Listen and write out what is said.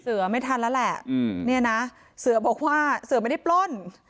เสือไม่ทันแล้วแหละเสือบอกว่าเสือไม่ได้ปล้น